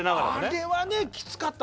あれはねきつかった。